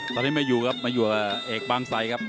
ตอนนี้ไม่อยู่ครับมาอยู่กับเอกบางไซครับ